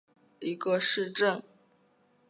奥特尔芬格是德国巴伐利亚州的一个市镇。